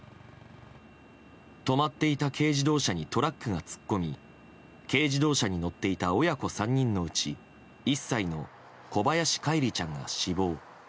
止まっていた軽自動車にトラックが突っ込み軽自動車に乗っていた親子３人のうち１歳の小林叶一里ちゃんが死亡。